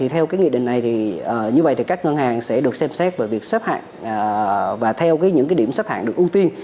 theo nghị định này các ngân hàng sẽ được xem xét về việc xếp hạng và theo những điểm xếp hạng được ưu tiên